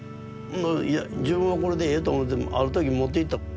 いや自分はこれでええと思ってある時持っていった。